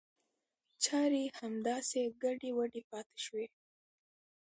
چاري همداسې ګډې وډې پاته شوې.